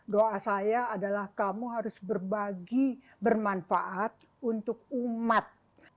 doa saya adalah kamu harus berbagi bermanfaat untuk umat